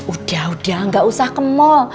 udah udah gak usah ke mall